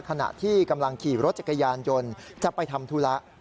ขณะที่กำลังขี่รถจักรยานยนต์จะไปทำธุระ